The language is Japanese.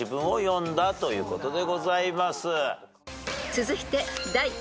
［続いて］